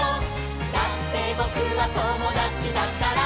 「だってぼくはともだちだから」